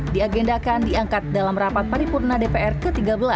diagendakan diangkat dalam rapat paripurna dpr ke tiga belas